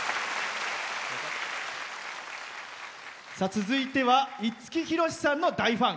続いては五木ひろしさんの大ファン。